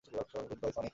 Good bye, Sonic.